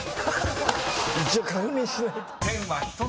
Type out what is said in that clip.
一応確認しないと。